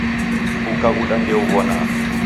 Ukaghuda ndeuw'onaa